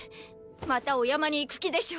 またお山に行く気でしょ！